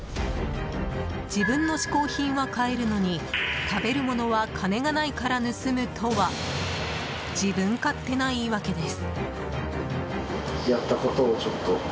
自分の嗜好品は買えるのに食べるものは金がないから盗むとは自分勝手な言い訳です。